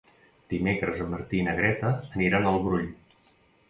Dimecres en Martí i na Greta aniran al Brull.